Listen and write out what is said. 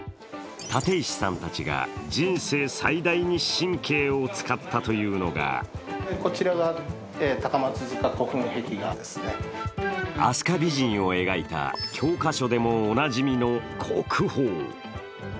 建石さんたちが人生最大に神経を使ったというのが「飛鳥美人」を描いた教科書でもおなじみの国宝。